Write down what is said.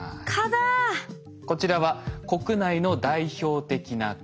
こちらは国内の代表的な蚊。